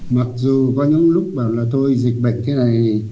mặc dù có những lúc bảo là tôi dịch bệnh thế này